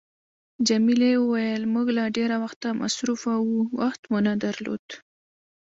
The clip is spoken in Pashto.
جميلې وويل: موږ له ډېره وخته مصروفه وو، وخت مو نه درلود.